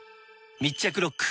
密着ロック！